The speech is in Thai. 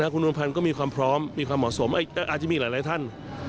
คุณอวมพันธ์ก็มีความพร้อมมีความเหมาะสมอาจจะมีหลายท่าน